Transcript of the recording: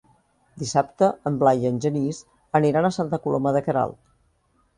Dissabte en Blai i en Genís aniran a Santa Coloma de Queralt.